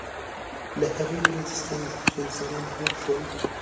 له هغې ورځې څخه چې انسانان پوه شول.